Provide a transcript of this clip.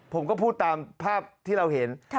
ผมก็พูดตามภาพที่เราเห็น